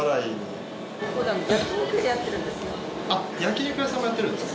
焼き肉屋さんもやってるんですか。